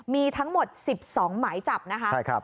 มีทั้งหมด๑๒หมายจับนะคะ